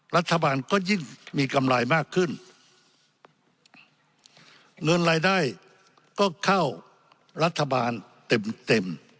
รัฐบาลก็ยิ่งมีกำไรมากขึ้นเงินรายได้ก็เข้ารัฐบาลเต็มเต็ม